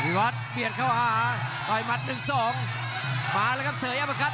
อภิวัตเมียดเข้ามาต่อยมัดหนึ่งสองมาแล้วครับเสยร์ยับประคัต